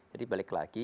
jadi balik lagi